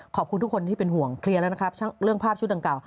ขอบคุณทุกคนที่เป็นห่วงเคลียร์แล้วนะครับเรื่องภาพชุดดังกล่าว